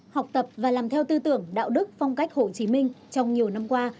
học tập và làm theo tư tưởng đạo đức phong cách hồ chí minh trong nhiều năm qua